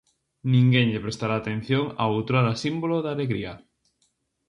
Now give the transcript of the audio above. Ninguén lle prestará atención ao outrora símbolo da alegría.